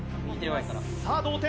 さあ同点。